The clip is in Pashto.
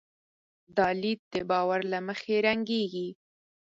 دا لید د باور له مخې رنګېږي.